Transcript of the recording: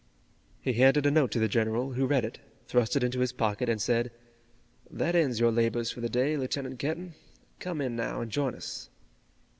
He handed a note to the general, who read it, thrust it into his pocket, and said: "That ends your labors for the day, Lieutenant Kenton. Come in now and join us."